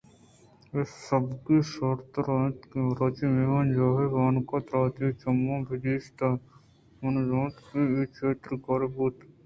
اے سبکی شرتر اَت کہ مروچی مہمان جاہ ءِ بانک ءَ ترا وتی چماں بہ دیستیں من نہ زانت کہ اے چتورکائی بوت